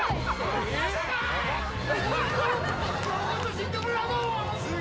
「死んでもらうぞ！」